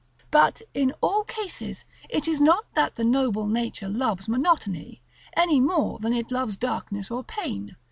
But in all cases it is not that the noble nature loves monotony, any more than it loves darkness or pain.